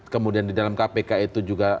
kemudian di dalam kpk itu juga